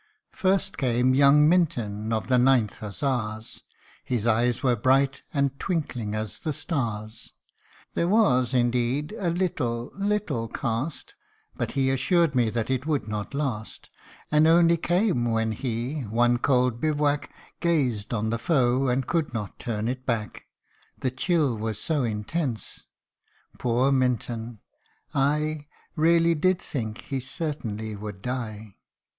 First came young Minton, of the ninth Hussars, His eyes were bright and twinkling as the stars. 230 RECOLLECTIONS OF A FADED BEAUTY. There was, indeed, a little little cast, But he assured me that it would not last ; And only came, when he, one cold bivouac, Gazed on the foe, and could not turn it back The chill was so intense ! Poor Minton, I Really did think he certainly would die.